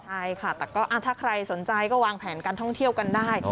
ใช่ค่ะแต่ก็ถ้าใครสนใจก็วางแผนการท่องเที่ยวกันได้